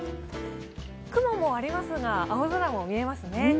雲もありますが、青空もありますね